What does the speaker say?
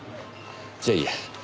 じゃあいいや。